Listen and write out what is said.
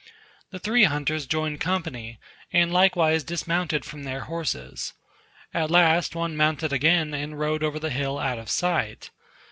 The three hunters joined company, and likewise dismounted from their horses. At last one mounted again and rode over the hill out of sight.